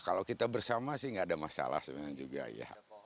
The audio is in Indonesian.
kalau kita bersama sih nggak ada masalah sebenarnya juga ya